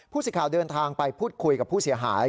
สิทธิ์เดินทางไปพูดคุยกับผู้เสียหาย